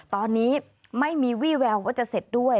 ตอนนี้ไม่มีวี่แววว่าจะเสร็จด้วย